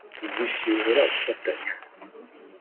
Tuzishimira gufatanya